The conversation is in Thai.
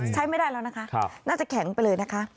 ใช้ไม่ได้แล้วนะคะน่าจะแข็งไปเลยนะคะ